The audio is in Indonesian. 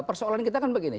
persoalan kita kan begini